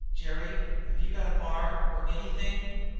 Jerry, have you got a bar, or anything?